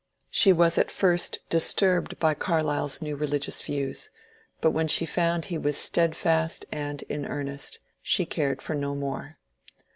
She ¥ras at first disturbed by Carlyle's new religious views, but when she found he was steadfast and in earnest, she cared for no more.